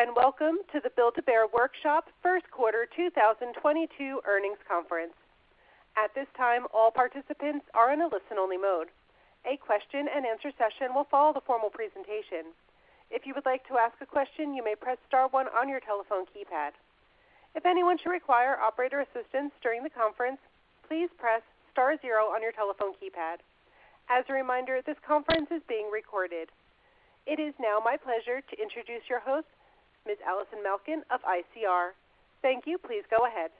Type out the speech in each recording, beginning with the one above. Greetings, and welcome to the Build-A-Bear Workshop first quarter 2022 earnings conference. At this time, all participants are in a listen-only mode. A question-and-answer session will follow the formal presentation. If you would like to ask a question, you may press star one on your telephone keypad. If anyone should require operator assistance during the conference, please press star zero on your telephone keypad. As a reminder, this conference is being recorded. It is now my pleasure to introduce your host, Ms. Allison Malkin of ICR. Thank you. Please go ahead.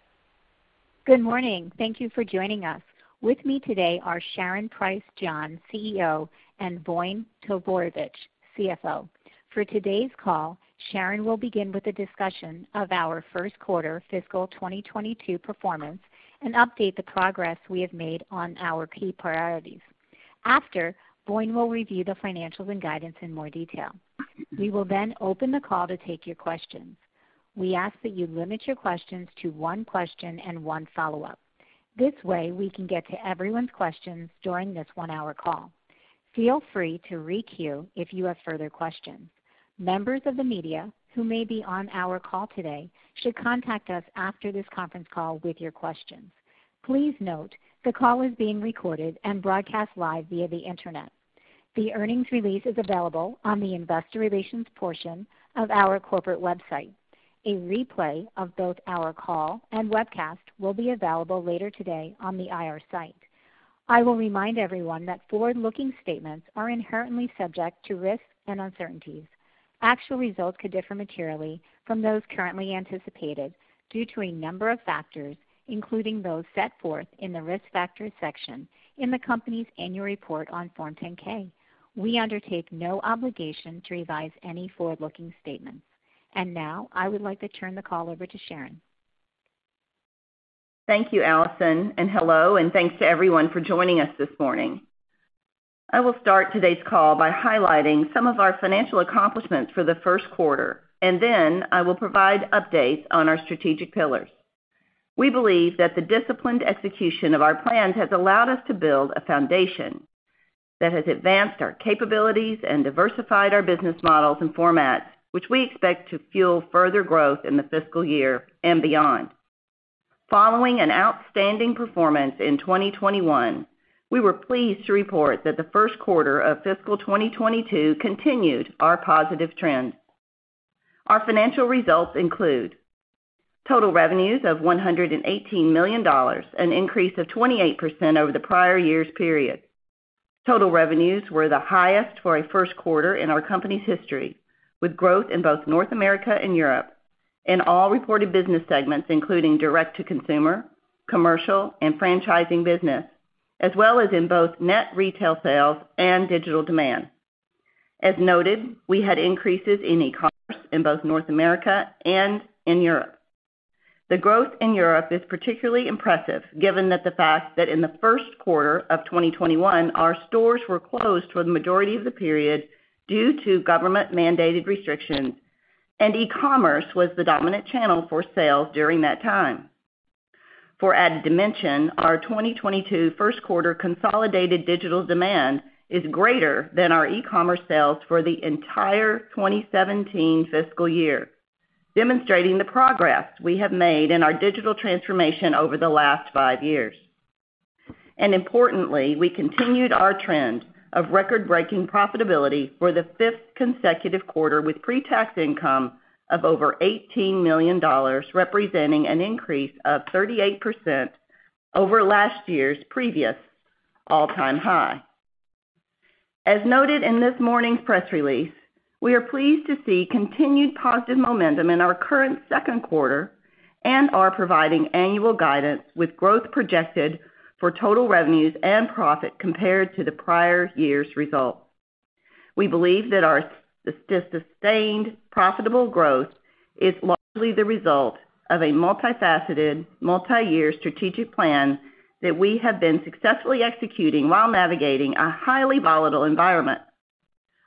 Good morning. Thank you for joining us. With me today are Sharon Price John, CEO, and Voin Todorovic, CFO. For today's call, Sharon will begin with a discussion of our first quarter fiscal 2022 performance and update the progress we have made on our key priorities. After, Voin will review the financials and guidance in more detail. We will then open the call to take your questions. We ask that you limit your questions to one question and one follow-up. This way, we can get to everyone's questions during this one-hour call. Feel free to re-queue if you have further questions. Members of the media who may be on our call today should contact us after this conference call with your questions. Please note, the call is being recorded and broadcast live via the Internet. The earnings release is available on the investor relations portion of our corporate website. A replay of both our call and webcast will be available later today on the IR site. I will remind everyone that forward-looking statements are inherently subject to risks and uncertainties. Actual results could differ materially from those currently anticipated due to a number of factors, including those set forth in the Risk Factors section in the company's annual report on Form 10-K. We undertake no obligation to revise any forward-looking statements. Now, I would like to turn the call over to Sharon. Thank you, Allison, and hello, and thanks to everyone for joining us this morning. I will start today's call by highlighting some of our financial accomplishments for the first quarter, and then I will provide updates on our strategic pillars. We believe that the disciplined execution of our plans has allowed us to build a foundation that has advanced our capabilities and diversified our business models and formats, which we expect to fuel further growth in the fiscal year and beyond. Following an outstanding performance in 2021, we were pleased to report that the first quarter of fiscal 2022 continued our positive trends. Our financial results include total revenues of $118 million, an increase of 28% over the prior year's period. Total revenues were the highest for a first quarter in our company's history, with growth in both North America and Europe, and all reported business segments, including direct-to-consumer, commercial, and franchising business, as well as in both net retail sales and digital demand. As noted, we had increases in e-commerce in both North America and in Europe. The growth in Europe is particularly impressive given the fact that in the first quarter of 2021, our stores were closed for the majority of the period due to government-mandated restrictions, and e-commerce was the dominant channel for sales during that time. For added dimension, our 2022 first quarter consolidated digital demand is greater than our e-commerce sales for the entire 2017 fiscal year, demonstrating the progress we have made in our digital transformation over the last 5 years. Importantly, we continued our trend of record-breaking profitability for the fifth consecutive quarter with pre-tax income of over $18 million, representing an increase of 38% over last year's previous all-time high. As noted in this morning's press release, we are pleased to see continued positive momentum in our current second quarter and are providing annual guidance with growth projected for total revenues and profit compared to the prior year's results. We believe that our sustained profitable growth is largely the result of a multifaceted, multi-year strategic plan that we have been successfully executing while navigating a highly volatile environment.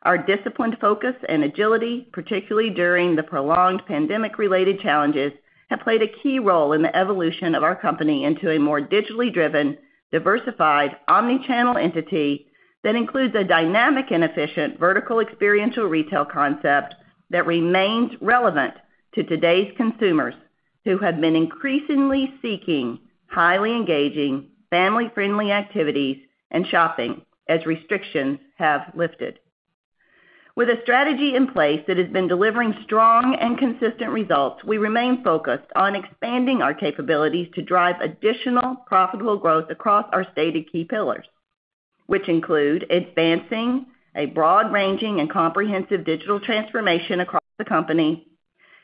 Our disciplined focus and agility, particularly during the prolonged pandemic-related challenges, have played a key role in the evolution of our company into a more digitally driven, diversified, omni-channel entity that includes a dynamic and efficient vertical experiential retail concept that remains relevant to today's consumers who have been increasingly seeking highly engaging, family-friendly activities and shopping as restrictions have lifted. With a strategy in place that has been delivering strong and consistent results, we remain focused on expanding our capabilities to drive additional profitable growth across our stated key pillars, which include advancing a broad-ranging and comprehensive digital transformation across the company,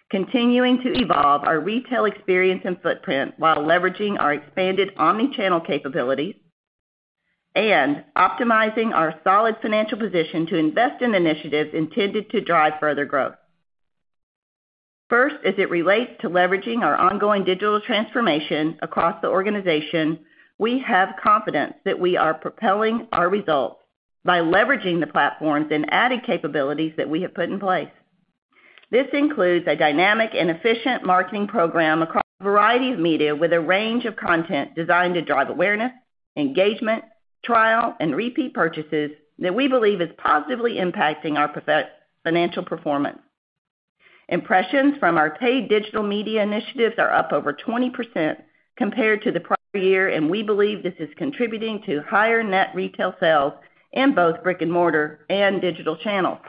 continuing to evolve our retail experience and footprint while leveraging our expanded omni-channel capabilities, and optimizing our solid financial position to invest in initiatives intended to drive further growth. First, as it relates to leveraging our ongoing digital transformation across the organization, we have confidence that we are propelling our results by leveraging the platforms and adding capabilities that we have put in place. This includes a dynamic and efficient marketing program across a variety of media with a range of content designed to drive awareness, engagement, trial, and repeat purchases that we believe is positively impacting our financial performance. Impressions from our paid digital media initiatives are up over 20% compared to the prior year, and we believe this is contributing to higher net retail sales in both brick-and-mortar and digital channels.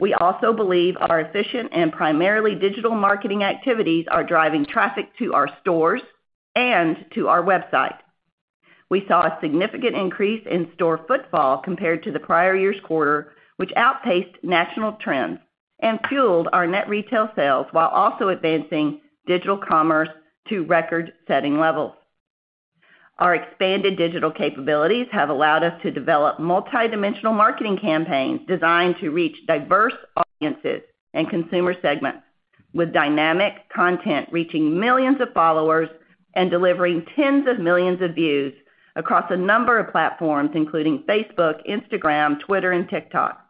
We also believe our efficient and primarily digital marketing activities are driving traffic to our stores and to our website. We saw a significant increase in store footfall compared to the prior year's quarter, which outpaced national trends and fueled our net retail sales while also advancing digital commerce to record-setting levels. Our expanded digital capabilities have allowed us to develop multidimensional marketing campaigns designed to reach diverse audiences and consumer segments with dynamic content, reaching millions of followers and delivering tens of millions of views across a number of platforms, including Facebook, Instagram, Twitter, and TikTok.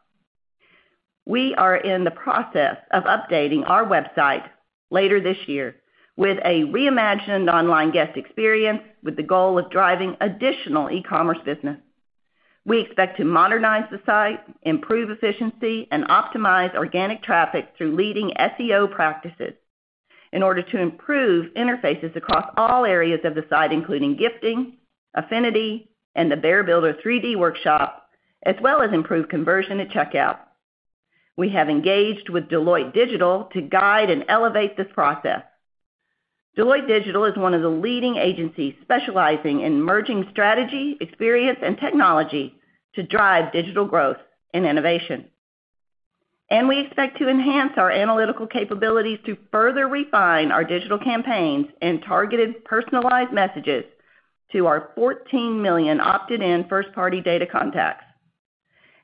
We are in the process of updating our website later this year with a reimagined online guest experience with the goal of driving additional e-commerce business. We expect to modernize the site, improve efficiency, and optimize organic traffic through leading SEO practices in order to improve interfaces across all areas of the site, including gifting, affinity, and the Bear Builder 3D workshop, as well as improve conversion at checkout. We have engaged with Deloitte Digital to guide and elevate this process. Deloitte Digital is one of the leading agencies specializing in merging strategy, experience, and technology to drive digital growth and innovation. We expect to enhance our analytical capabilities to further refine our digital campaigns and targeted personalized messages to our 14 million opted-in first-party data contacts.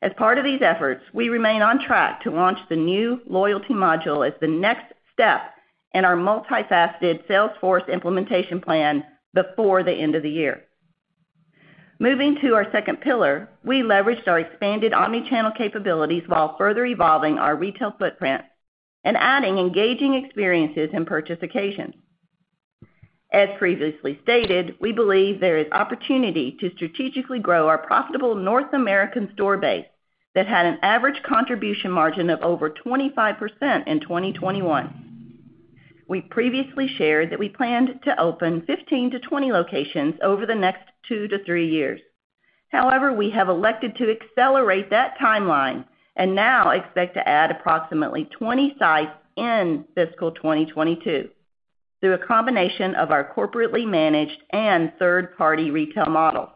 As part of these efforts, we remain on track to launch the new loyalty module as the next step in our multifaceted Salesforce implementation plan before the end of the year. Moving to our second pillar, we leveraged our expanded omni-channel capabilities while further evolving our retail footprint and adding engaging experiences and purchase occasions. As previously stated, we believe there is opportunity to strategically grow our profitable North American store base that had an average contribution margin of over 25% in 2021. We previously shared that we planned to open 15 locations-20 locations over the next two years to three years. However, we have elected to accelerate that timeline and now expect to add approximately 20 sites in fiscal 2022 through a combination of our corporately managed and third-party retail model.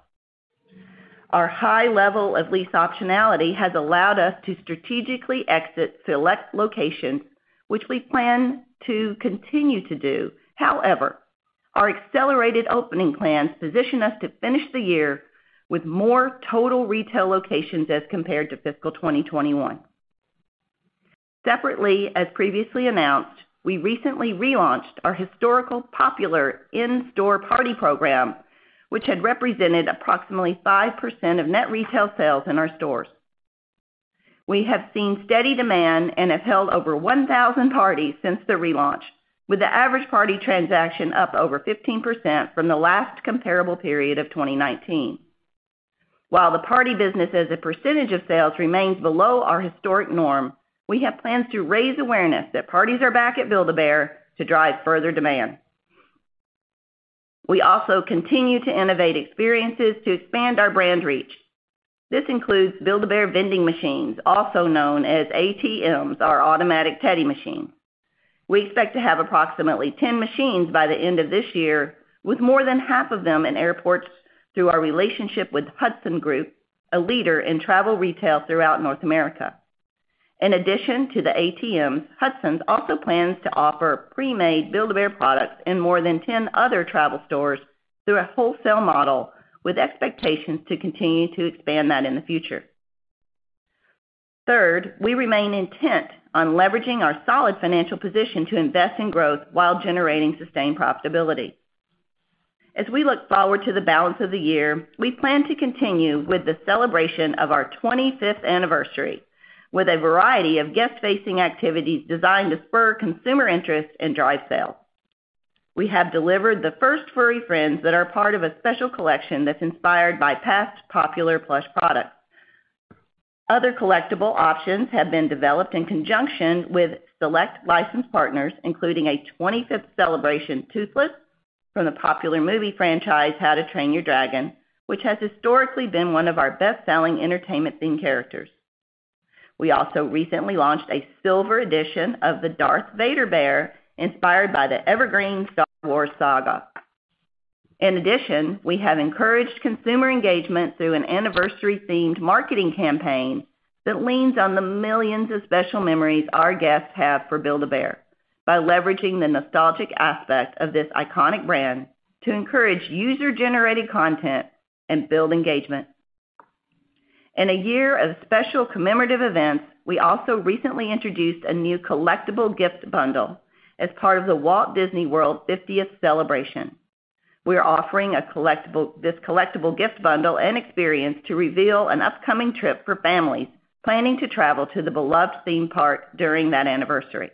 Our high level of lease optionality has allowed us to strategically exit select locations, which we plan to continue to do. However, our accelerated opening plans position us to finish the year with more total retail locations as compared to fiscal 2021. Separately, as previously announced, we recently relaunched our historical popular in-store party program, which had represented approximately 5% of net retail sales in our stores. We have seen steady demand and have held over 1,000 parties since the relaunch, with the average party transaction up over 15% from the last comparable period of 2019. While the party business as a percentage of sales remains below our historic norm, we have plans to raise awareness that parties are back at Build-A-Bear to drive further demand. We also continue to innovate experiences to expand our brand reach. This includes Build-A-Bear vending machines, also known as ATMs, our automatic teddy machine. We expect to have approximately 10 machines by the end of this year, with more than half of them in airports through our relationship with Hudson Group, a leader in travel retail throughout North America. In addition to the ATMs, Hudson Group also plans to offer pre-made Build-A-Bear products in more than 10 other travel stores through a wholesale model, with expectations to continue to expand that in the future. Third, we remain intent on leveraging our solid financial position to invest in growth while generating sustained profitability. As we look forward to the balance of the year, we plan to continue with the celebration of our 25th anniversary with a variety of guest-facing activities designed to spur consumer interest and drive sales. We have delivered the first furry friends that are part of a special collection that's inspired by past popular plush products. Other collectible options have been developed in conjunction with select licensed partners, including a 25th celebration Toothless from the popular movie franchise How to Train Your Dragon, which has historically been one of our best-selling entertainment-themed characters. We also recently launched a silver edition of the Darth Vader bear, inspired by the evergreen Star Wars saga. In addition, we have encouraged consumer engagement through an anniversary-themed marketing campaign that leans on the millions of special memories our guests have for Build-A-Bear by leveraging the nostalgic aspect of this iconic brand to encourage user-generated content and build engagement. In a year of special commemorative events, we also recently introduced a new collectible gift bundle as part of the Walt Disney World fiftieth celebration. We are offering this collectible gift bundle and experience to reveal an upcoming trip for families planning to travel to the beloved theme park during that anniversary.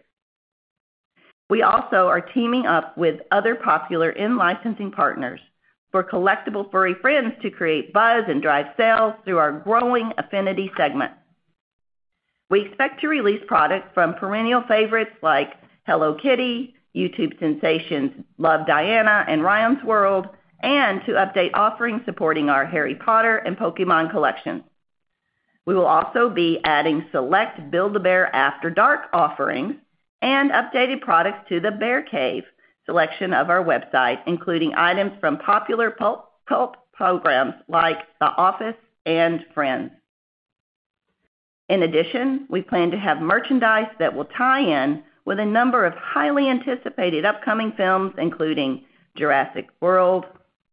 We also are teaming up with other popular in-licensing partners for collectible furry friends to create buzz and drive sales through our growing affinity segment. We expect to release products from perennial favorites like Hello Kitty, YouTube sensations Love Diana, and Ryan's World, and to update offerings supporting our Harry Potter and Pokémon collection. We will also be adding select Build-A-Bear After Dark offerings and updated products to the Bear Cave selection of our website, including items from popular cult programs like The Office and Friends. In addition, we plan to have merchandise that will tie in with a number of highly anticipated upcoming films, including Jurassic World,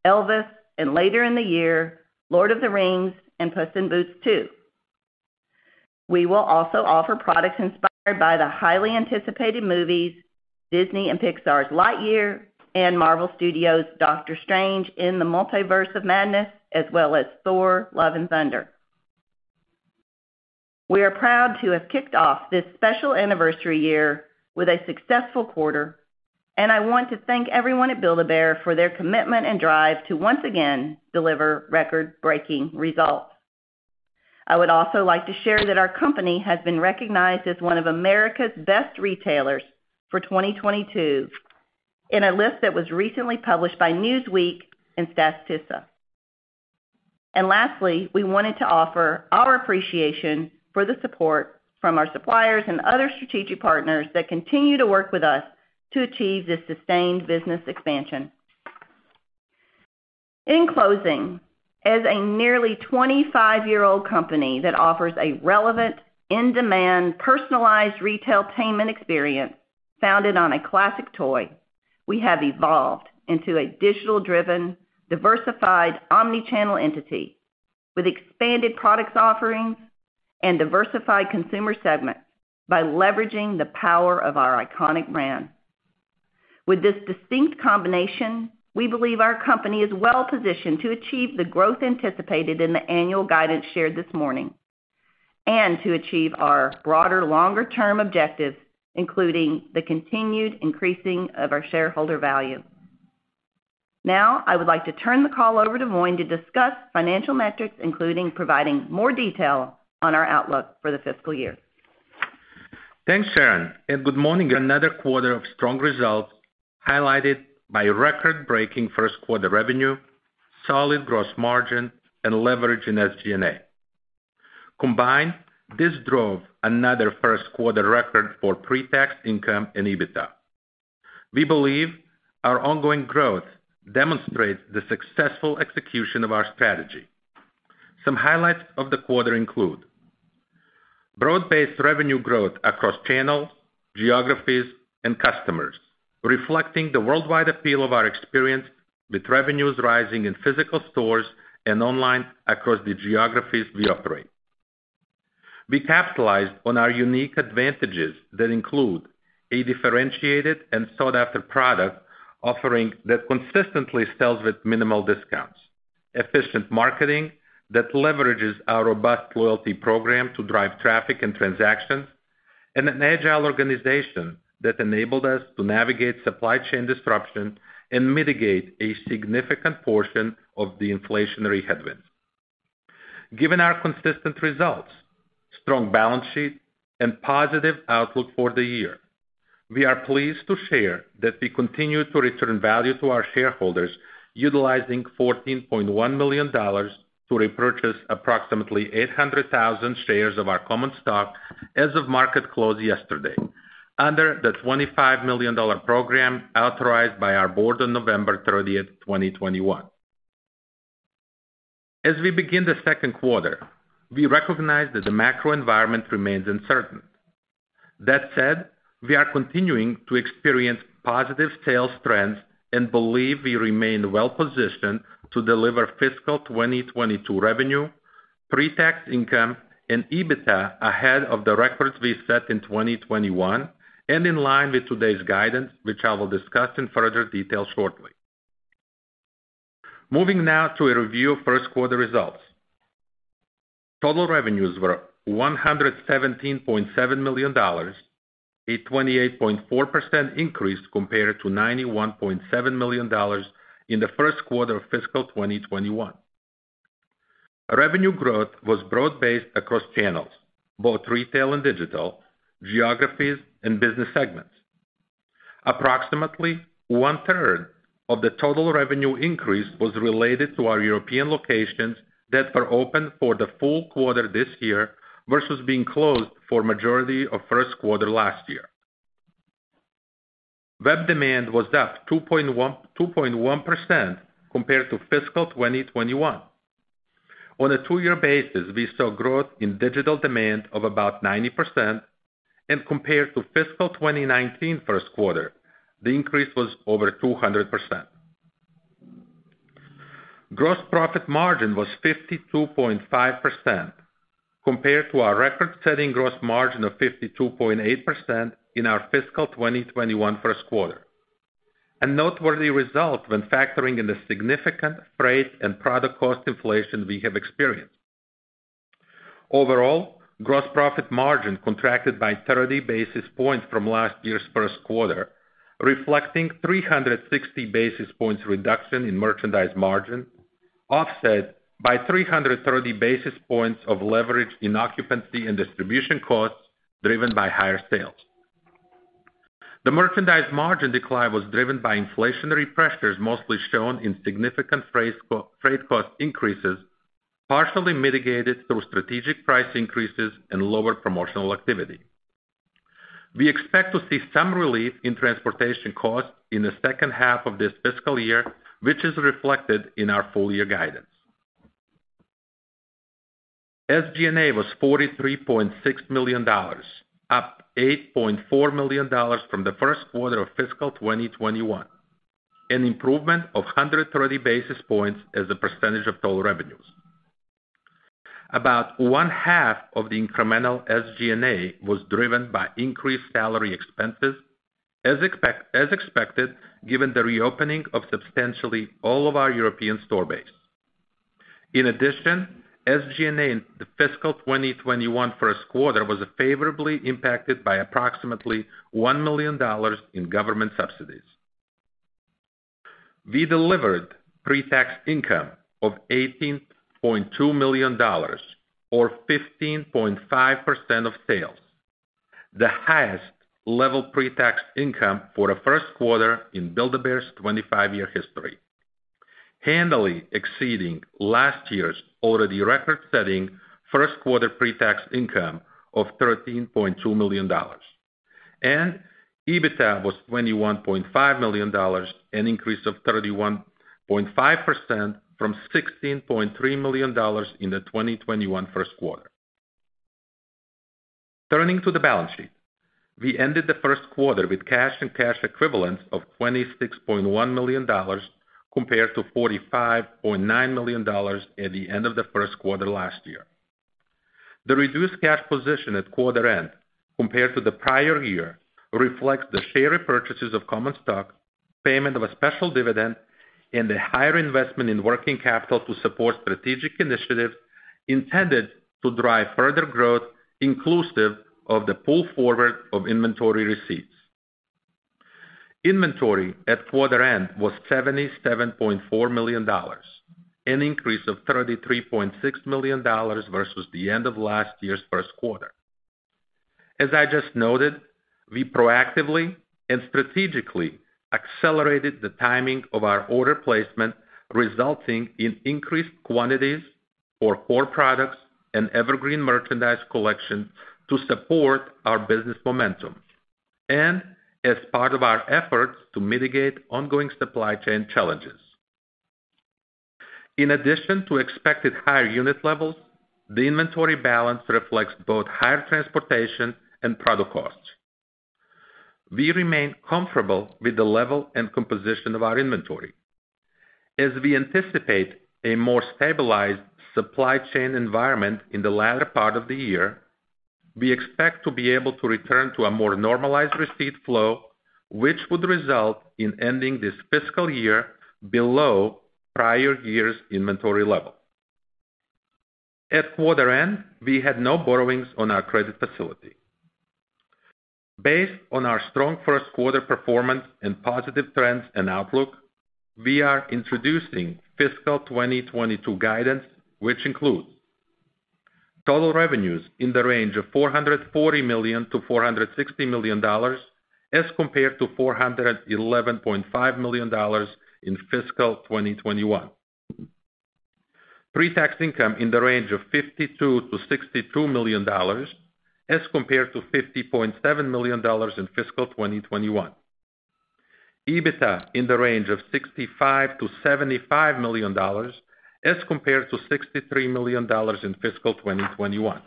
Elvis, and later in the year, The Lord of the Rings and Puss in Boots: The Last Wish. We will also offer products inspired by the highly anticipated movies, Disney and Pixar's Lightyear and Marvel Studios' Doctor Strange in the Multiverse of Madness, as well as Thor: Love and Thunder. We are proud to have kicked off this special anniversary year with a successful quarter, and I want to thank everyone at Build-A-Bear for their commitment and drive to once again deliver record-breaking results. I would also like to share that our company has been recognized as one of America's best retailers for 2022 in a list that was recently published by Newsweek and Statista. Lastly, we wanted to offer our appreciation for the support from our suppliers and other strategic partners that continue to work with us to achieve this sustained business expansion. In closing, as a nearly 25-year-old company that offers a relevant, in-demand, personalized retail-tainment experience founded on a classic toy, we have evolved into a digital-driven, diversified, omni-channel entity with expanded products offerings and diversified consumer segments by leveraging the power of our iconic brand. With this distinct combination, we believe our company is well-positioned to achieve the growth anticipated in the annual guidance shared this morning and to achieve our broader, longer term objectives, including the continued increasing of our shareholder value. Now, I would like to turn the call over to Voin Todorovic to discuss financial metrics, including providing more detail on our outlook for the fiscal year. Thanks, Sharon, and good morning. Another quarter of strong results highlighted by record-breaking first quarter revenue, solid gross margin, and leverage in SG&A. Combined, this drove another first quarter record for pre-tax income and EBITDA. We believe our ongoing growth demonstrates the successful execution of our strategy. Some highlights of the quarter include broad-based revenue growth across channels, geographies, and customers, reflecting the worldwide appeal of our experience with revenues rising in physical stores and online across the geographies we operate. We capitalized on our unique advantages that include a differentiated and sought-after product offering that consistently sells with minimal discounts, efficient marketing that leverages our robust loyalty program to drive traffic and transactions, and an agile organization that enabled us to navigate supply chain disruption and mitigate a significant portion of the inflationary headwinds. Given our consistent results, strong balance sheet, and positive outlook for the year, we are pleased to share that we continue to return value to our shareholders, utilizing $14.1 million to repurchase approximately 800,000 shares of our common stock as of market close yesterday under the $25 million program authorized by our board on November 30, 2021. As we begin the second quarter, we recognize that the macro environment remains uncertain. That said, we are continuing to experience positive sales trends and believe we remain well-positioned to deliver fiscal 2022 revenue, pre-tax income, and EBITDA ahead of the records we set in 2021 and in line with today's guidance, which I will discuss in further detail shortly. Moving now to a review of first quarter results. Total revenues were $117.7 million, a 28.4% increase compared to $91.7 million in the first quarter of fiscal 2021. Revenue growth was broad-based across channels, both retail and digital, geographies and business segments. Approximately one-third of the total revenue increase was related to our European locations that were open for the full quarter this year versus being closed for majority of first quarter last year. Web demand was up 2.1% compared to fiscal 2021. On a two-year basis, we saw growth in digital demand of about 90%, and compared to fiscal 2019 first quarter, the increase was over 200%. Gross profit margin was 52.5% compared to our record-setting gross margin of 52.8% in our fiscal 2021 first quarter. A noteworthy result when factoring in the significant freight and product cost inflation we have experienced. Overall, gross profit margin contracted by 30 basis points from last year's first quarter, reflecting 360 basis points reduction in merchandise margin, offset by 330 basis points of leverage in occupancy and distribution costs driven by higher sales. The merchandise margin decline was driven by inflationary pressures, mostly shown in significant freight cost increases, partially mitigated through strategic price increases and lower promotional activity. We expect to see some relief in transportation costs in the second half of this fiscal year, which is reflected in our full year guidance. SG&A was $43.6 million, up $8.4 million from the first quarter of fiscal 2021, an improvement of 130 basis points as a percentage of total revenues. About one half of the incremental SG&A was driven by increased salary expenses, as expected, given the reopening of substantially all of our European store base. In addition, SG&A in the fiscal 2021 first quarter was favorably impacted by approximately $1 million in government subsidies. We delivered pre-tax income of $18.2 million or 15.5% of sales, the highest level pre-tax income for a first quarter in Build-A-Bear's 25-year history, handily exceeding last year's already record-setting first quarter pre-tax income of $13.2 million. EBITDA was $21.5 million, an increase of 31.5% from $16.3 million in the 2021 first quarter. Turning to the balance sheet. We ended the first quarter with cash and cash equivalents of $26.1 million compared to $45.9 million at the end of the first quarter last year. The reduced cash position at quarter end compared to the prior year reflects the share repurchases of common stock, payment of a special dividend, and a higher investment in working capital to support strategic initiatives intended to drive further growth, inclusive of the pull forward of inventory receipts. Inventory at quarter end was $77.4 million, an increase of $33.6 million versus the end of last year's first quarter. As I just noted, we proactively and strategically accelerated the timing of our order placement, resulting in increased quantities for core products and evergreen merchandise collection to support our business momentum and as part of our efforts to mitigate ongoing supply chain challenges. In addition to expected higher unit levels, the inventory balance reflects both higher transportation and product costs. We remain comfortable with the level and composition of our inventory. As we anticipate a more stabilized supply chain environment in the latter part of the year, we expect to be able to return to a more normalized receipt flow, which would result in ending this fiscal year below prior year's inventory level. At quarter end, we had no borrowings on our credit facility. Based on our strong first quarter performance and positive trends and outlook, we are introducing fiscal 2022 guidance, which includes total revenues in the range of $440 million-$460 million as compared to $411.5 million in fiscal 2021. Pre-tax income in the range of $52 million-$62 million as compared to $50.7 million in fiscal 2021. EBITDA in the range of $65 million-$75 million as compared to $63 million in fiscal 2021.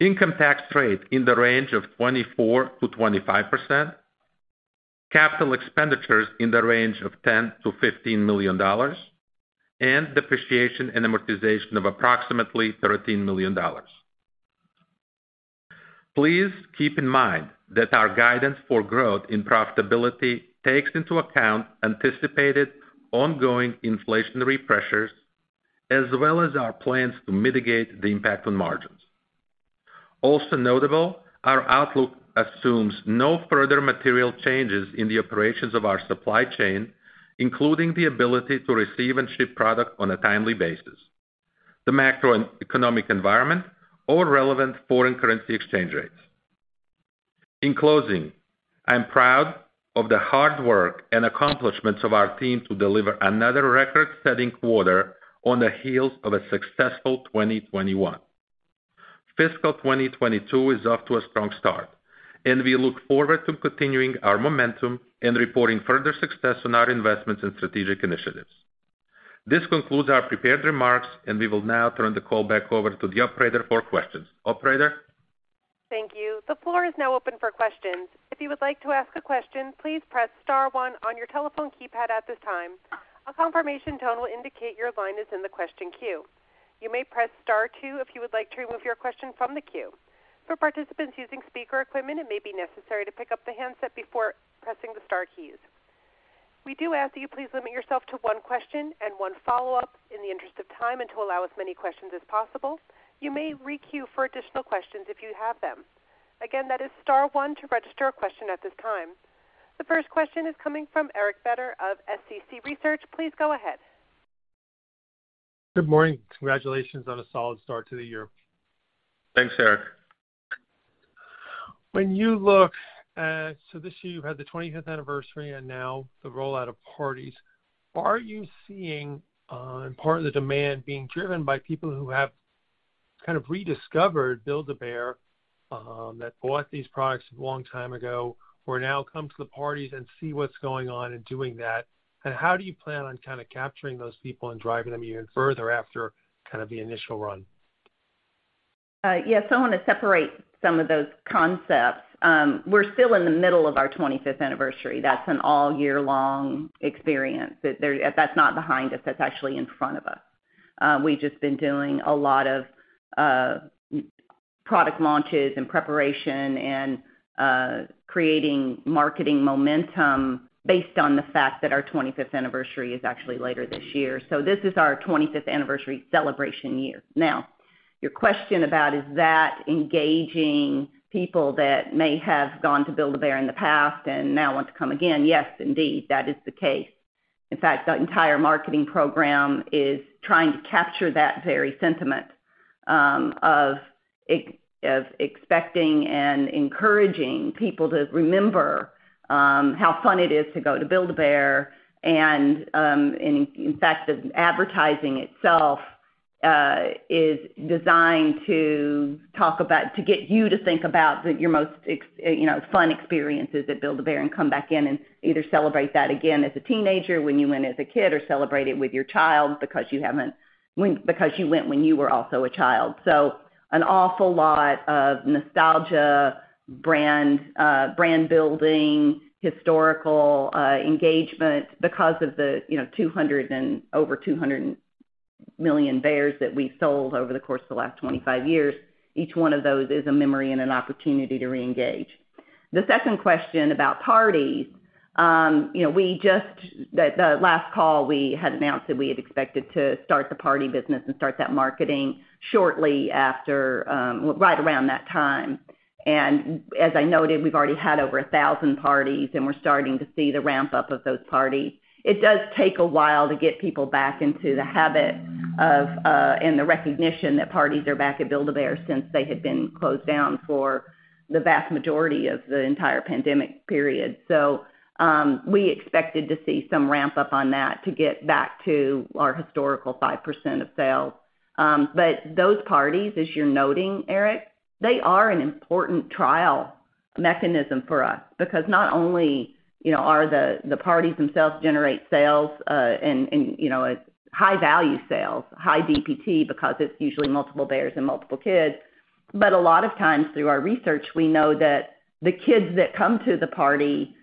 Income tax rate in the range of 24%-25%. Capital expenditures in the range of $10 million-$15 million, and depreciation and amortization of approximately $13 million. Please keep in mind that our guidance for growth and profitability takes into account anticipated ongoing inflationary pressures, as well as our plans to mitigate the impact on margins. Also notable, our outlook assumes no further material changes in the operations of our supply chain, including the ability to receive and ship product on a timely basis, the macroeconomic environment or relevant foreign currency exchange rates. In closing, I am proud of the hard work and accomplishments of our team to deliver another record-setting quarter on the heels of a successful 2021. Fiscal 2022 is off to a strong start, and we look forward to continuing our momentum and reporting further success on our investments and strategic initiatives. This concludes our prepared remarks, and we will now turn the call back over to the operator for questions. Operator? Thank you. The floor is now open for questions. If you would like to ask a question, please press star one on your telephone keypad at this time. A confirmation tone will indicate your line is in the question queue. You may press star two if you would like to remove your question from the queue. For participants using speaker equipment, it may be necessary to pick up the handset before pressing the star keys. We do ask that you please limit yourself to one question and one follow-up in the interest of time, and to allow as many questions as possible. You may re-queue for additional questions if you have them. Again, that is star one to register a question at this time. The first question is coming from Eric Beder of SCC Research. Please go ahead. Good morning. Congratulations on a solid start to the year. Thanks, Eric. This year, you've had the 25th anniversary, and now the rollout of parties, are you seeing part of the demand being driven by people who have kind of rediscovered Build-A-Bear that bought these products a long time ago, who are now come to the parties and see what's going on and doing that? How do you plan on kinda capturing those people and driving them even further after kind of the initial run? Yes, I wanna separate some of those concepts. We're still in the middle of our 25th anniversary. That's an all year long experience. That's not behind us, that's actually in front of us. We've just been doing a lot of product launches and preparation and creating marketing momentum based on the fact that our 25th anniversary is actually later this year. This is our 25th anniversary celebration year. Now, your question about, is that engaging people that may have gone to Build-A-Bear in the past and now want to come again? Yes, indeed. That is the case. In fact, the entire marketing program is trying to capture that very sentiment of expecting and encouraging people to remember how fun it is to go to Build-A-Bear. In fact, the advertising itself is designed to talk about to get you to think about your most, you know, fun experiences at Build-A-Bear and come back in and either celebrate that again as a teenager when you went as a kid or celebrate it with your child because you went when you were also a child. An awful lot of nostalgia, brand-building, historical engagement because of the, you know, over 200 million bears that we've sold over the course of the last 25 years. Each one of those is a memory and an opportunity to reengage. The second question about parties. You know, we just... The last call, we had announced that we had expected to start the party business and start that marketing shortly after, right around that time. As I noted, we've already had over 1,000 parties, and we're starting to see the ramp-up of those parties. It does take a while to get people back into the habit of, and the recognition that parties are back at Build-A-Bear since they had been closed down for the vast majority of the entire pandemic period. We expected to see some ramp-up on that to get back to our historical 5% of sales. Those parties, as you're noting, Eric, they are an important trial mechanism for us. Because not only, you know, are the parties themselves generate sales, and you know, high value sales, high DPT, because it's usually multiple bears and multiple kids. A lot of times through our research, we know that the kids that come to the party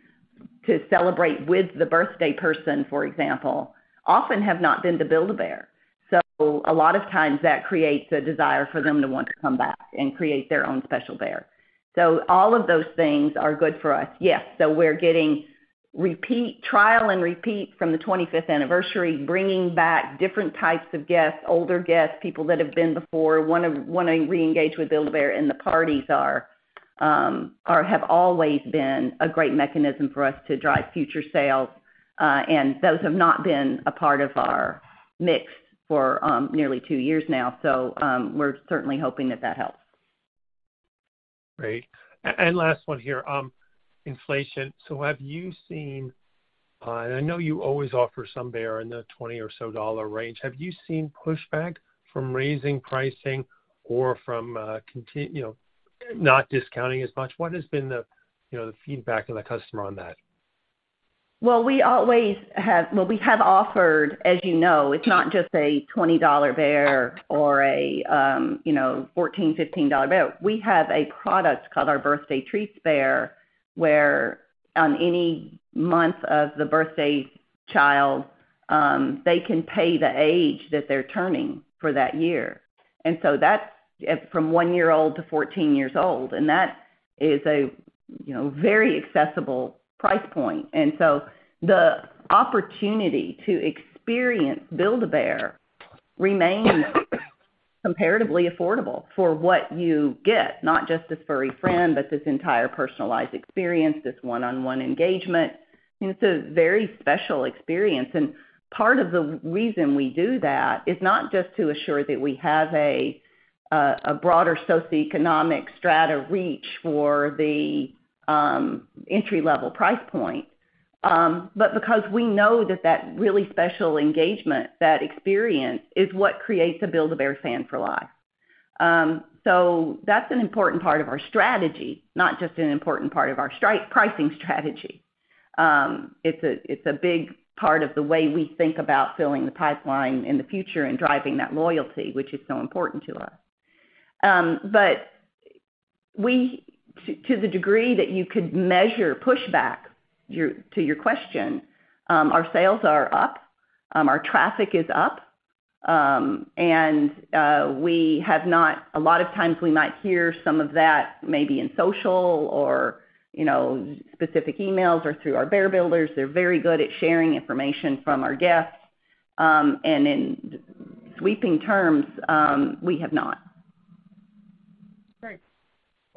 to celebrate with the birthday person, for example, often have not been to Build-A-Bear. A lot of times that creates a desire for them to want to come back and create their own special bear. All of those things are good for us. Yes, we're getting repeat, trial and repeat from the 25th anniversary, bringing back different types of guests, older guests, people that have been before, wanna reengage with Build-A-Bear, and the parties have always been a great mechanism for us to drive future sales. Those have not been a part of our mix for nearly two years now. We're certainly hoping that that helps. Great. Last one here, inflation. Have you seen, and I know you always offer some bear in the $20 or so dollar range. Have you seen pushback from raising pricing or from you know, not discounting as much? What has been the you know, the feedback of the customer on that? We have offered, as you know, it's not just a $20 bear or a, you know, $14, $15 bear. We have a product called our Birthday Treat Bear, where on any month of the birthday child, they can pay the age that they're turning for that year. That's, from one year old to 14 years old, and that is a, you know, very accessible price point. The opportunity to experience Build-A-Bear remains comparatively affordable for what you get, not just this furry friend, but this entire personalized experience, this one-on-one engagement. It's a very special experience. Part of the reason we do that is not just to assure that we have a broader socioeconomic strata reach for the entry-level price point, but because we know that really special engagement, that experience is what creates a Build-A-Bear fan for life. That's an important part of our strategy, not just an important part of our pricing strategy. It's a big part of the way we think about filling the pipeline in the future and driving that loyalty, which is so important to us. To the degree that you could measure pushback, to your question, our sales are up, our traffic is up. A lot of times we might hear some of that maybe in social or, you know, specific emails or through our Bear Builders. They're very good at sharing information from our guests. In sweeping terms, we have not.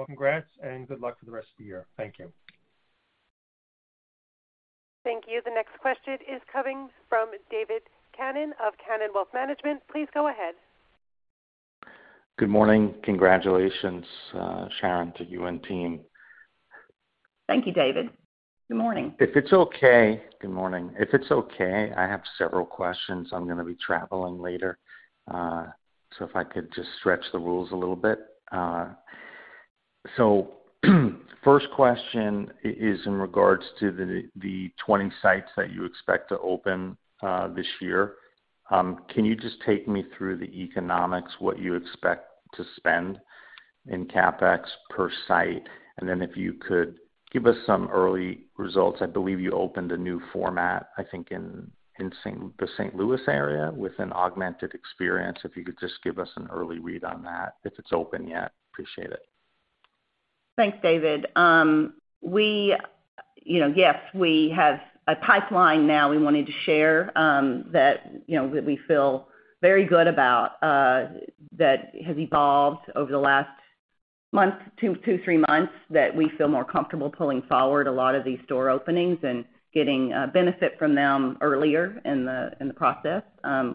Great. Well, congrats and good luck for the rest of the year. Thank you. Thank you. The next question is coming from David Kanen of Kanen Wealth Management. Please go ahead. Good morning. Congratulations, Sharon, to you and team. Thank you, David. Good morning. If it's okay. Good morning. If it's okay, I have several questions. I'm gonna be traveling later, so if I could just stretch the rules a little bit. First question is in regards to the 20 sites that you expect to open this year. Can you just take me through the economics, what you expect to spend in CapEx per site? If you could give us some early results. I believe you opened a new format, I think, in St. Louis area with an augmented experience. If you could just give us an early read on that, if it's open yet. Appreciate it. Thanks, David. You know, yes, we have a pipeline now that we wanted to share, you know, that we feel very good about, that has evolved over the last month, two months to three months, that we feel more comfortable pulling forward a lot of these store openings and getting benefit from them earlier in the process.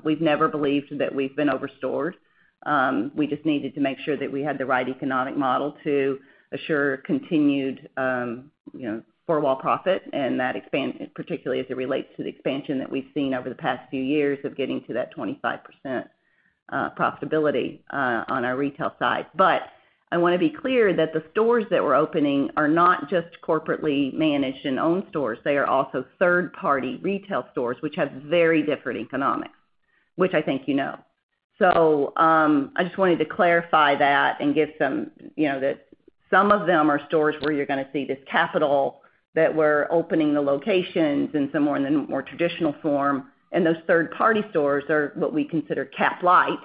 We've never believed that we've been over-stored. We just needed to make sure that we had the right economic model to assure continued, you know, four-wall profit, and that particularly as it relates to the expansion that we've seen over the past few years of getting to that 25% profitability on our retail side. I wanna be clear that the stores that we're opening are not just corporately managed and owned stores. They are also third-party retail stores, which have very different economics, which I think you know. I just wanted to clarify that and give some, you know, that some of them are stores where you're gonna see this capital that we're opening the locations and some more in the more traditional form, and those third-party stores are what we consider cap light,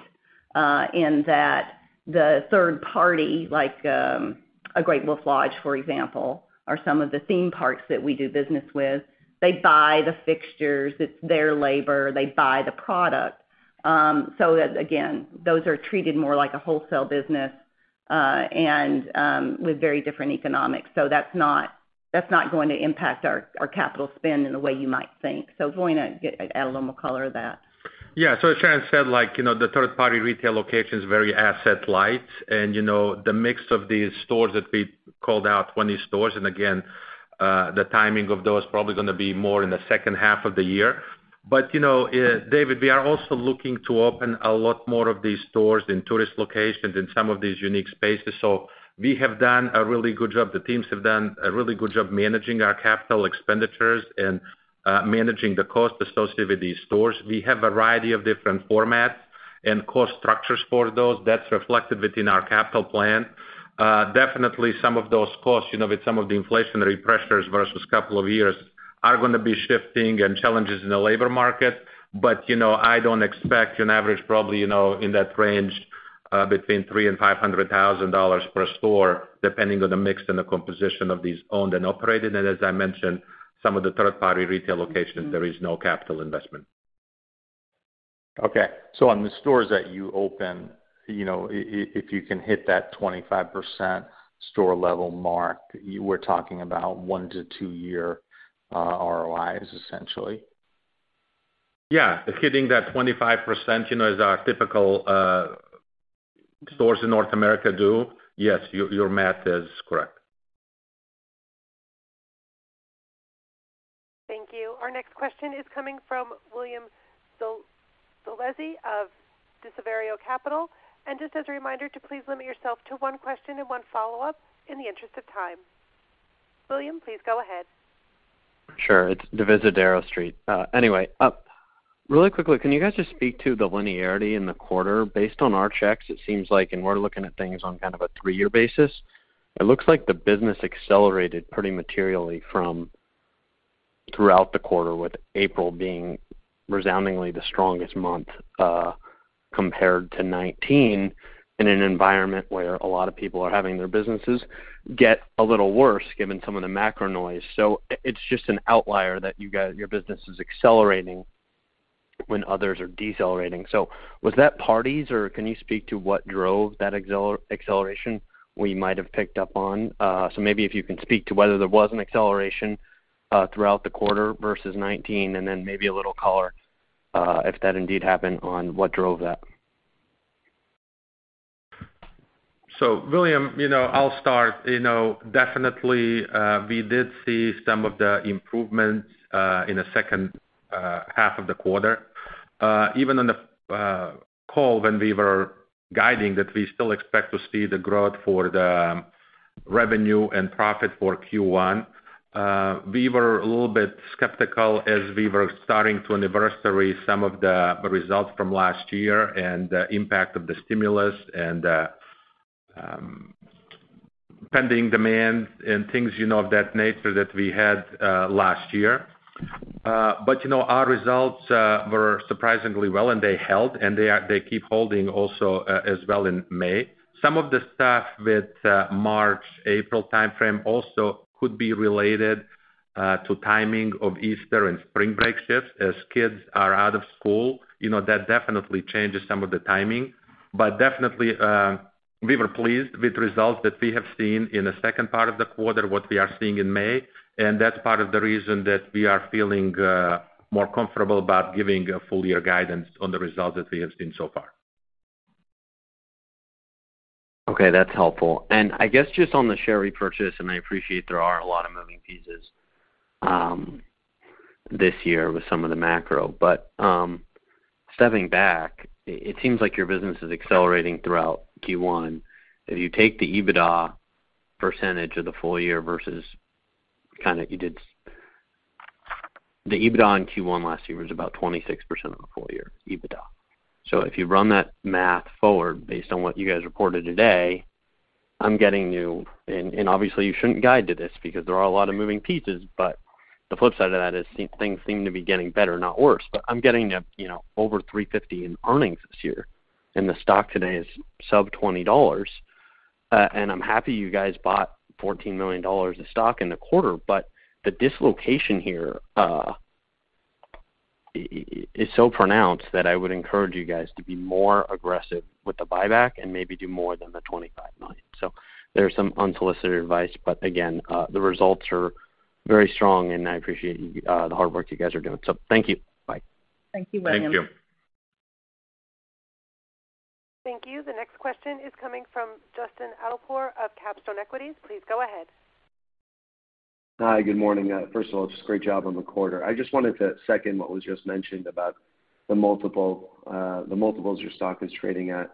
in that the third party, like, a Great Wolf Lodge, for example, are some of the theme parks that we do business with. They buy the fixtures. It's their labor. They buy the product. So that again, those are treated more like a wholesale business, and, with very different economics. That's not going to impact our capital spend in the way you might think. Voin, add a little more color to that. Yeah. As Sharon said, like, you know, the third-party retail location is very asset-light. You know, the mix of these stores that we called out, 20 stores, and again, the timing of those probably gonna be more in the second half of the year. You know, David, we are also looking to open a lot more of these stores in tourist locations in some of these unique spaces. We have done a really good job. The teams have done a really good job managing our capital expenditures and, managing the cost associated with these stores. We have a variety of different formats and cost structures for those. That's reflected within our capital plan. Definitely some of those costs, you know, with some of the inflationary pressures versus couple of years, are gonna be shifting and challenges in the labor market. You know, I don't expect on average probably, you know, in that range, between $300,000-$500,000 per store, depending on the mix and the composition of these owned and operated. As I mentioned, some of the third party retail locations, there is no capital investment. On the stores that you open, you know, if you can hit that 25% store level mark, you were talking about one to two-year ROIs, essentially. Yeah. Hitting that 25%, you know, as our typical stores in North America do, yes, your math is correct. Thank you. Our next question is coming from William Zolezzi of Divisadero Capital. Just as a reminder to please limit yourself to one question and one follow-up in the interest of time. William, please go ahead. Sure. It's Divisadero Street. Anyway, really quickly, can you guys just speak to the linearity in the quarter? Based on our checks, it seems like, and we're looking at things on kind of a three-year basis, it looks like the business accelerated pretty materially from throughout the quarter, with April being resoundingly the strongest month, compared to 2019, in an environment where a lot of people are having their businesses get a little worse given some of the macro noise. It's just an outlier that you guys, your business is accelerating when others are decelerating. Was that parties, or can you speak to what drove that acceleration we might have picked up on? Maybe if you can speak to whether there was an acceleration throughout the quarter versus 2019 and then maybe a little color if that indeed happened on what drove that. William, you know, I'll start. You know, definitely, we did see some of the improvements in the second half of the quarter. Even on the call when we were guiding that we still expect to see the growth for the revenue and profit for Q1, we were a little bit skeptical as we were starting to anniversary some of the results from last year and the impact of the stimulus and pent-up demand and things, you know, of that nature that we had last year. You know, our results were surprisingly well, and they held, and they keep holding also as well in May. Some of the stuff with March, April timeframe also could be related to timing of Easter and spring break shifts as kids are out of school, you know. That definitely changes some of the timing. Definitely, we were pleased with results that we have seen in the second part of the quarter, what we are seeing in May, and that's part of the reason that we are feeling more comfortable about giving a full year guidance on the results that we have seen so far. Okay, that's helpful. I guess just on the share repurchase, and I appreciate there are a lot of moving pieces this year with some of the macro. Stepping back, it seems like your business is accelerating throughout Q1. If you take the EBITDA percentage of the full year versus kinda you did. The EBITDA in Q1 last year was about 26% of the full year EBITDA. If you run that math forward, based on what you guys reported today, I'm getting, you know, and obviously you shouldn't guide to this because there are a lot of moving pieces, but the flip side of that is things seem to be getting better, not worse. I'm getting, you know, over $3.50 in earnings this year, and the stock today is sub $20. I'm happy you guys bought $14 million of stock in the quarter, but the dislocation here is so pronounced that I would encourage you guys to be more aggressive with the buyback and maybe do more than the $25 million. There's some unsolicited advice, but again, the results are very strong, and I appreciate the hard work you guys are doing. Thank you. Bye. Thank you, William. Thank you. Thank you. The next question is coming from Justin Adelipour of Capstone Equities. Please go ahead. Hi, good morning. First of all, just great job on the quarter. I just wanted to second what was just mentioned about the multiple, the multiples your stock is trading at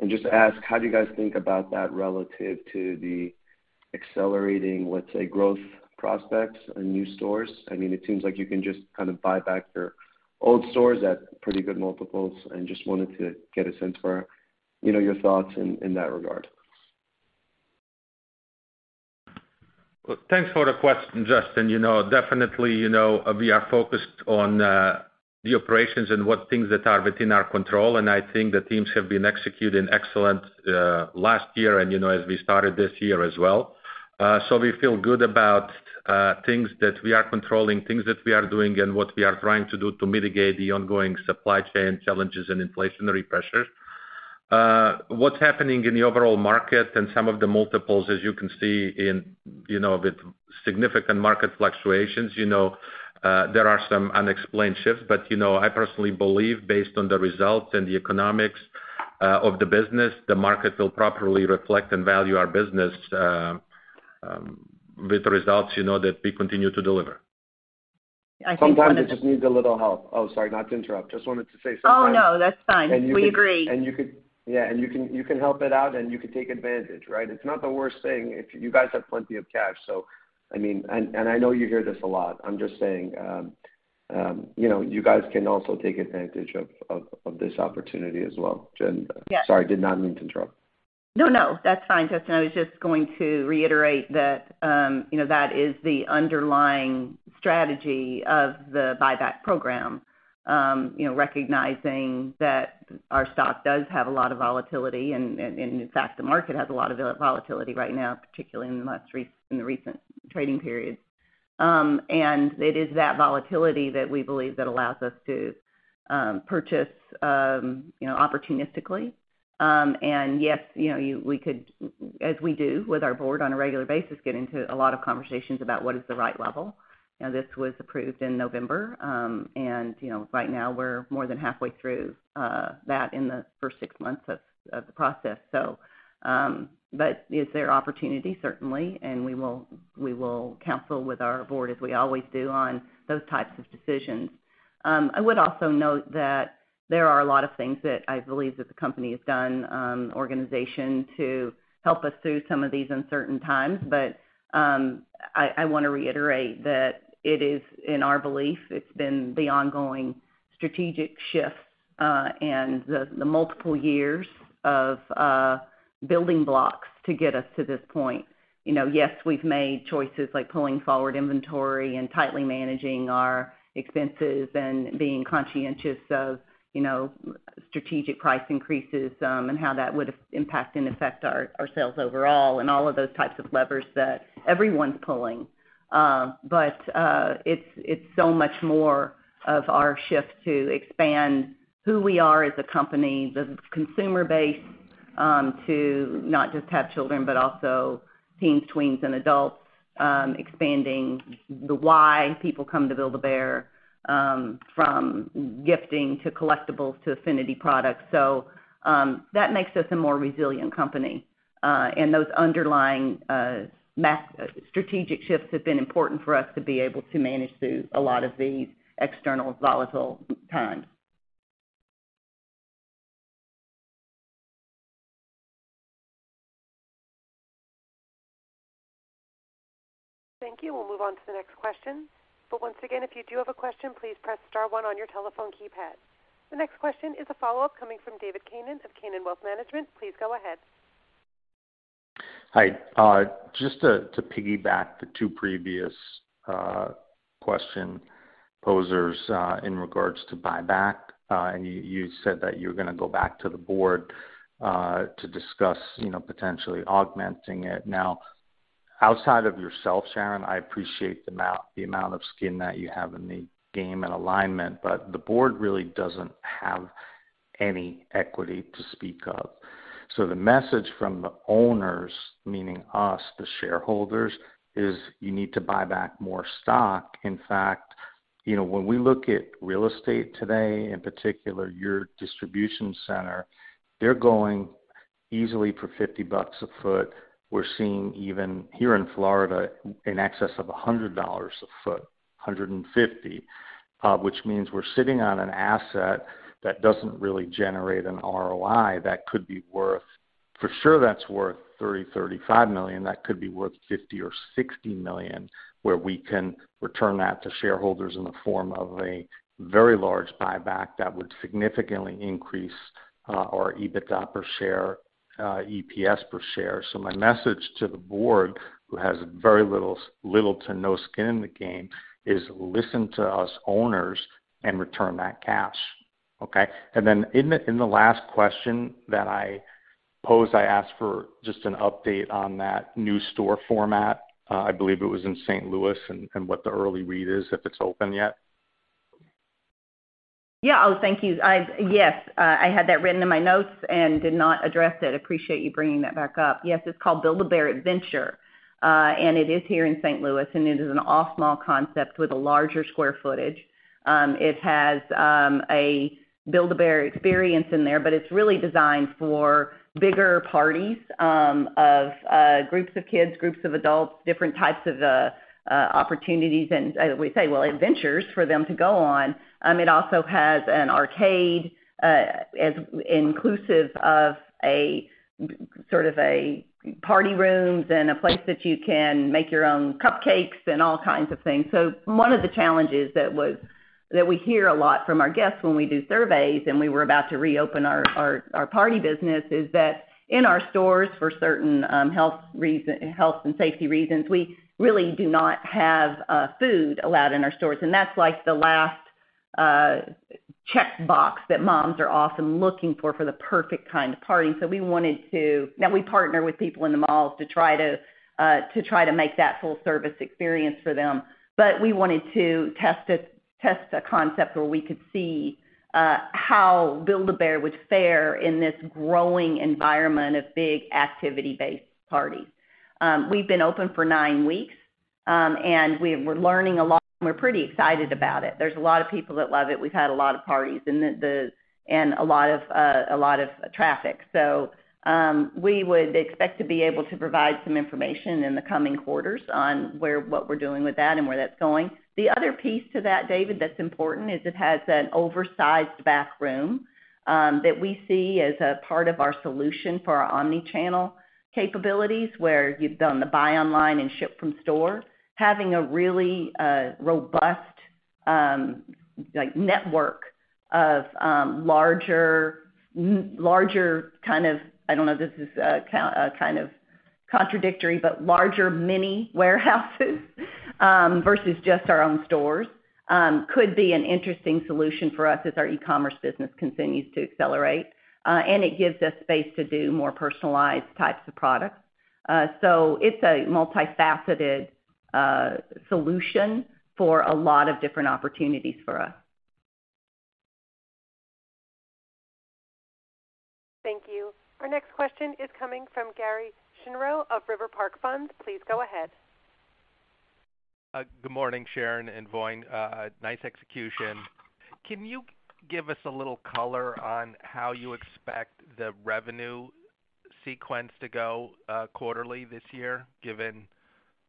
and just ask, how do you guys think about that relative to the accelerating, let's say, growth prospects on new stores? I mean, it seems like you can just kind of buy back your old stores at pretty good multiples and just wanted to get a sense for, you know, your thoughts in that regard. Thanks for the question, Justin. You know, definitely, you know, we are focused on the operations and what things that are within our control, and I think the teams have been executing excellently last year and, you know, as we started this year as well. So we feel good about things that we are controlling, things that we are doing, and what we are trying to do to mitigate the ongoing supply chain challenges and inflationary pressures. What's happening in the overall market and some of the multiples, as you can see in, you know, with significant market fluctuations, you know, there are some unexplained shifts. You know, I personally believe based on the results and the economics of the business, the market will properly reflect and value our business with the results, you know, that we continue to deliver. I think one of the Sometimes it just needs a little help. Oh, sorry, not to interrupt. Just wanted to say sometimes. Oh, no, that's fine. We agree. Yeah, you can help it out, and you can take advantage, right? It's not the worst thing if you guys have plenty of cash. I mean, I know you hear this a lot. I'm just saying, you know, you guys can also take advantage of this opportunity as well. Jen- Yeah. Sorry, did not mean to interrupt. No, no, that's fine, Justin. I was just going to reiterate that, you know, that is the underlying strategy of the buyback program. You know, recognizing that our stock does have a lot of volatility and, in fact, the market has a lot of volatility right now, particularly in the recent trading periods. And it is that volatility that we believe that allows us to purchase, you know, opportunistically. And yes, you know, we could, as we do with our board on a regular basis, get into a lot of conversations about what is the right level. You know, this was approved in November. And, you know, right now we're more than halfway through that in the first six months of the process. Is there opportunity? Certainly. We will counsel with our board as we always do on those types of decisions. I would also note that there are a lot of things that I believe that the company has done organizationally to help us through some of these uncertain times. I wanna reiterate that it is in our belief, it's been the ongoing strategic shifts, and the multiple years of building blocks to get us to this point. You know, yes, we've made choices like pulling forward inventory and tightly managing our expenses and being conscientious of, you know, strategic price increases, and how that would impact and affect our sales overall and all of those types of levers that everyone's pulling. It's so much more of our shift to expand who we are as a company, the consumer base, to not just have children, but also teens, tweens, and adults. Expanding the why people come to Build-A-Bear from gifting to collectibles to affinity products. That makes us a more resilient company. Those underlying strategic shifts have been important for us to be able to manage through a lot of these external volatile times. Thank you. We'll move on to the next question. Once again, if you do have a question, please press star one on your telephone keypad. The next question is a follow-up coming from David Kanen of Kanen Wealth Management. Please go ahead. Hi. Just to piggyback the two previous question posers in regards to buyback. You said that you're gonna go back to the board to discuss, you know, potentially augmenting it. Now, outside of yourself, Sharon, I appreciate the amount of skin that you have in the game and alignment, but the board really doesn't have any equity to speak of. The message from the owners, meaning us, the shareholders, is you need to buy back more stock. In fact, you know, when we look at real estate today, in particular, your distribution center, they're going easily for $50 a foot. We're seeing even here in Florida, in excess of $100 a foot, $150. Which means we're sitting on an asset that doesn't really generate an ROI that could be worth. For sure that's worth $30-$35 million, that could be worth $50 or 60 million, where we can return that to shareholders in the form of a very large buyback that would significantly increase our EBITDA per share, EPS per share. My message to the board, who has very little to no skin in the game, is listen to us owners and return that cash. Okay. Then in the last question that I posed, I asked for just an update on that new store format, I believe it was in St. Louis, and what the early read is if it's open yet. Yeah. Oh, thank you. I had that written in my notes and did not address it. Appreciate you bringing that back up. Yes, it's called Build-A-Bear Adventure, and it is here in St. Louis, and it is an off-mall concept with a larger square footage. It has a Build-A-Bear experience in there, but it's really designed for bigger parties of groups of kids, groups of adults, different types of opportunities, and we say well, adventures for them to go on. It also has an arcade and inclusive of a sort of party rooms and a place that you can make your own cupcakes and all kinds of things. One of the challenges that we hear a lot from our guests when we do surveys, and we were about to reopen our party business, is that in our stores, for certain health and safety reasons, we really do not have food allowed in our stores. That's like the last checkbox that moms are often looking for the perfect kind of party. We partner with people in the malls to try to make that full service experience for them. We wanted to test a concept where we could see how Build-A-Bear would fare in this growing environment of big activity-based party. We've been open for nine weeks, and we're learning a lot, and we're pretty excited about it. There's a lot of people that love it. We've had a lot of parties and a lot of traffic. We would expect to be able to provide some information in the coming quarters on what we're doing with that and where that's going. The other piece to that, David, that's important, is it has an oversized back room that we see as a part of our solution for our omni-channel capabilities, where you've done the buy online and ship from store. Having a really robust like network of larger kind of I don't know if this is kind of contradictory, but larger mini warehouses versus just our own stores could be an interesting solution for us as our e-commerce business continues to accelerate. It gives us space to do more personalized types of products. It's a multifaceted solution for a lot of different opportunities for us. Thank you. Our next question is coming from Gary Schnierow of RiverPark Funds. Please go ahead. Good morning, Sharon and Voin. Nice execution. Can you give us a little color on how you expect the revenue sequence to go, quarterly this year, given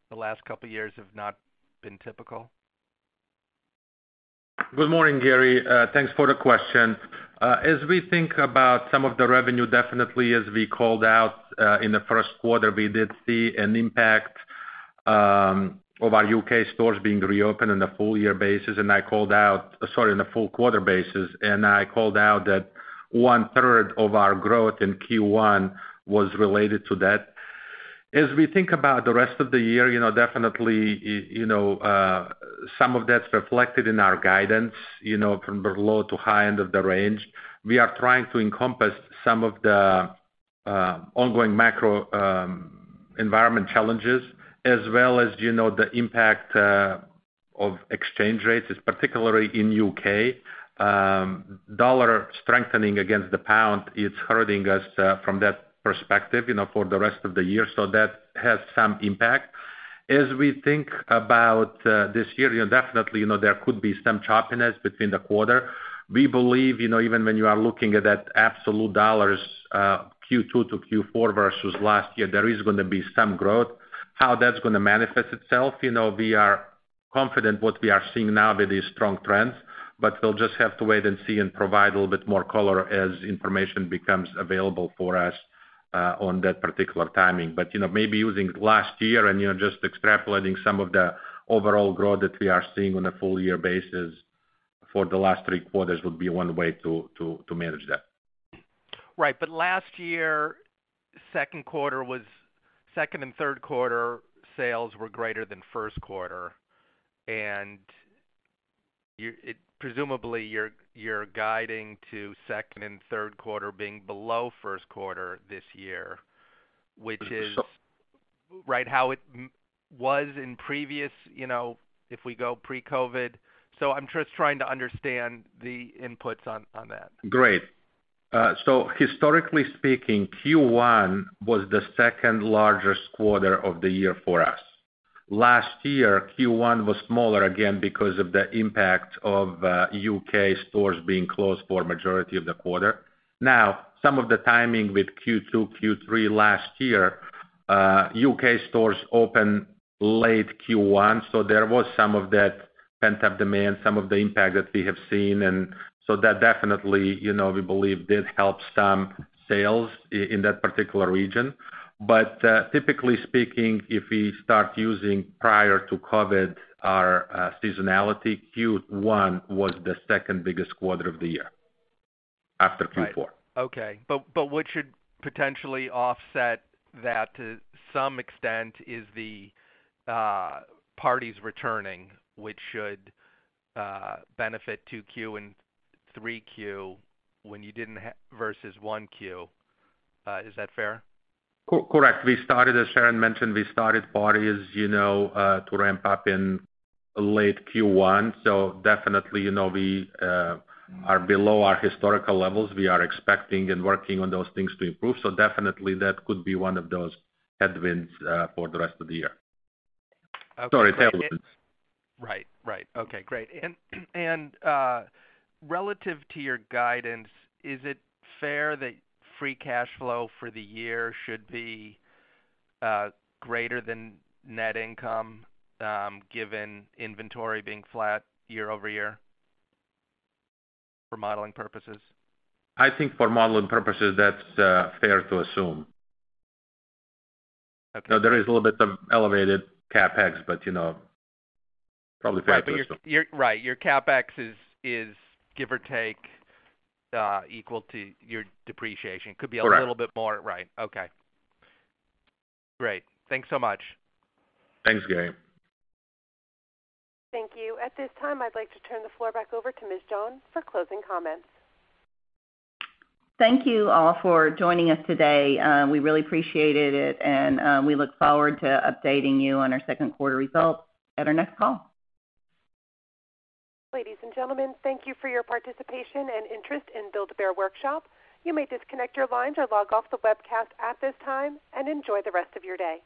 the last couple of years have not been typical? Good morning, Gary. Thanks for the question. As we think about some of the revenue, definitely as we called out, in the first quarter, we did see an impact of our U.K. stores being reopened on a full quarter basis, and I called out that 1/3 of our growth in Q1 was related to that. As we think about the rest of the year, you know, definitely, you know, some of that's reflected in our guidance, you know, from the low to high end of the range. We are trying to encompass some of the ongoing macro environment challenges as well as, you know, the impact of exchange rates, particularly in U.K.. Dollar strengthening against the pound is hurting us, from that perspective, you know, for the rest of the year. That has some impact. As we think about this year, you know, definitely, you know, there could be some choppiness between the quarter. We believe, you know, even when you are looking at absolute dollars, Q2 to Q4 versus last year, there is gonna be some growth. How that's gonna manifest itself? You know, we are confident what we are seeing now with these strong trends, but we'll just have to wait and see and provide a little bit more color as information becomes available for us, on that particular timing. You know, maybe using last year and, you know, just extrapolating some of the overall growth that we are seeing on a full year basis for the last three quarters would be one way to manage that. Right. Last year, second and third quarter sales were greater than first quarter. Presumably, you're guiding to second and third quarter being below first quarter this year, which is- So- Right. How it was in previous, you know, if we go pre-COVID. I'm just trying to understand the inputs on that. Great. Historically speaking, Q1 was the second largest quarter of the year for us. Last year, Q1 was smaller, again, because of the impact of, U.K. stores being closed for a majority of the quarter. Now, some of the timing with Q2, Q3 last year, U.K. stores opened late Q1, so there was some of that pent-up demand, some of the impact that we have seen. That definitely, you know, we believe did help some sales in that particular region. Typically speaking, if we start using prior to COVID, our seasonality, Q1 was the second biggest quarter of the year after Q4. Right. Okay. What should potentially offset that to some extent is the parties returning, which should benefit 2Q and 3Q when you didn't have versus 1Q. Is that fair? Correct. We started, as Sharon mentioned, parties, you know, to ramp up in late Q1. Definitely, you know, we are below our historical levels. We are expecting and working on those things to improve. Definitely that could be one of those headwinds for the rest of the year. Okay. Sorry, tailwinds. Right. Okay, great. Relative to your guidance, is it fair that free cash flow for the year should be greater than net income, given inventory being flat year over year for modeling purposes? I think for modeling purposes, that's fair to assume. Okay. Now there is a little bit of elevated CapEx, but, you know, probably fair to assume. Right. Your CapEx is, give or take, equal to your depreciation. Correct. Could be a little bit more. Right. Okay. Great. Thanks so much. Thanks, Gary. Thank you. At this time, I'd like to turn the floor back over to Sharon Price John for closing comments. Thank you all for joining us today. We really appreciated it, and we look forward to updating you on our second quarter results at our next call. Ladies and gentlemen, thank you for your participation and interest in Build-A-Bear Workshop. You may disconnect your lines or log off the webcast at this time, and enjoy the rest of your day.